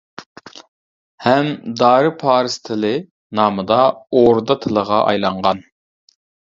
ھەم «دارى پارس تىلى» نامىدا ئوردا تىلىغا ئايلانغان.